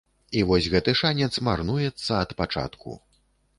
І вось гэты шанец марнуецца ад пачатку.